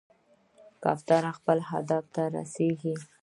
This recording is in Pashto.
کوتره خپل هدف ته رسېږي.